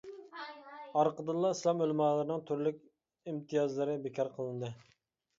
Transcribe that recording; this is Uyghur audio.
ئارقىدىنلا ئىسلام ئۆلىمالىرىنىڭ تۈرلۈك ئىمتىيازلىرى بىكار قىلىندى.